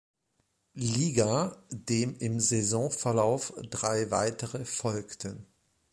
Liga, dem im Saisonverlauf drei weitere folgten.